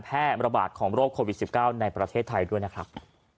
แพร่ระบาดของโรคโควิดสิบเก้าในประเทศไทยด้วยนะครับ